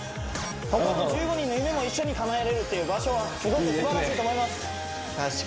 ほかの１５人の夢も一緒にかなえれるっていう場所はすごくすばらしいと思いますいいですね